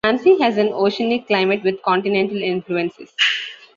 Nancy has an oceanic climate with continental influences.